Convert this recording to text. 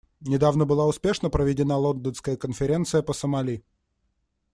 Недавно была успешно проведена Лондонская конференция по Сомали.